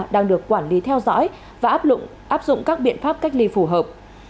đang được quản lý theo dõi và áp dụng các biện pháp cách ly phù hợp